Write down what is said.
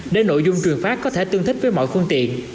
để nội dung truyền phát có thể tương thích với mọi phương tiện